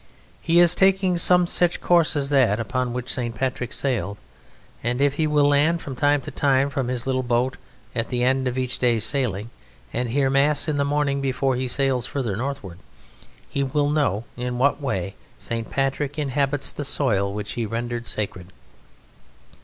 He is taking some such course as that on which St. Patrick sailed, and if he will land from time to time from his little boat at the end of each day's sailing, and hear Mass in the morning before he sails further northward, he will know in what way St. Patrick inhabits the soil which he rendered sacred.